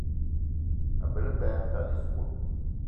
Mabe á lebá atane ísogò